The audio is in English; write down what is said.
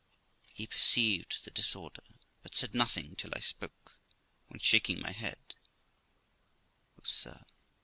He perceived the disorder, but said nothing till I spoke; when, shaking my head, 'Oh, sir!'